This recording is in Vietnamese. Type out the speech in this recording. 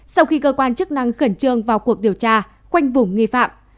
sau khi cơ quan chức năng khẩn trương vào cuộc điều tra khoanh vùng nghi phạm